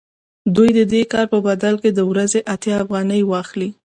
دوی د دې کار په بدل کې د ورځې اتیا افغانۍ واخلي